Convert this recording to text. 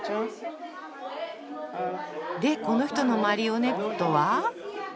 でこの人のマリオネットは？